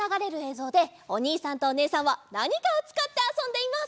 ぞうでおにいさんとおねえさんはなにかをつかってあそんでいます。